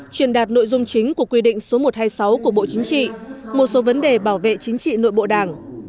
truyền đạt nội dung chính của quy định số một trăm hai mươi sáu của bộ chính trị một số vấn đề bảo vệ chính trị nội bộ đảng